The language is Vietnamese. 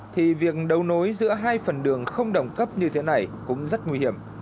thì việc đấu nối giữa hai phần đường không đồng cấp như thế này cũng rất nguy hiểm